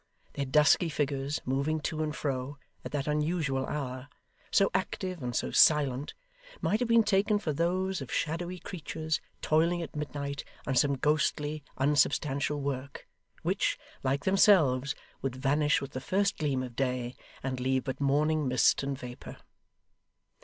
Their dusky figures moving to and fro, at that unusual hour, so active and so silent, might have been taken for those of shadowy creatures toiling at midnight on some ghostly unsubstantial work, which, like themselves, would vanish with the first gleam of day, and leave but morning mist and vapour.